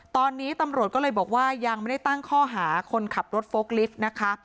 ตอนนี้ตำรวจก็เลยบอกว่ายังไม่ได้ตั้งข้อหาคนขับรถโฟล์ลิฟต์นะคะ